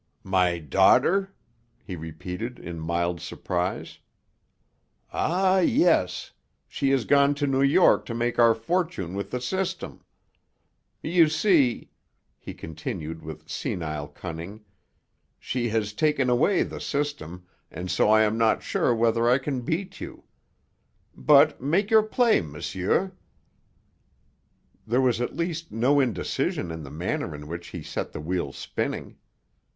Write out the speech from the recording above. "My daughter," he repeated in mild surprise. "Ah, yes; she has gone to New York to make our fortune with the system. You see," he continued with senile cunning, "she has taken away the system, and so I am not sure whether I can beat you. But make your play, monsieur." There was at least no indecision in the manner in which he set the wheel spinning.